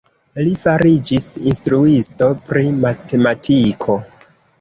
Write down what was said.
Li fariĝis instruisto pri matematiko.